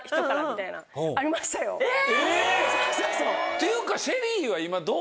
っていうか。